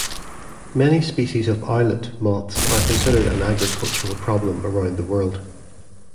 Many species of owlet moths are considered an agricultural problem around the world.